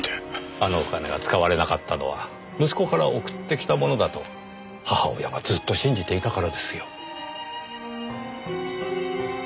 あのお金が使われなかったのは息子から送ってきたものだと母親がずーっと信じていたからですよ。